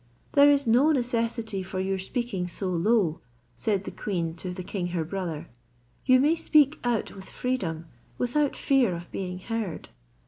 "There is no necessity for your speaking so low," said the queen to the king her brother; "you may speak out with freedom, without fear of being heard."